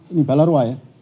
ini balarua ya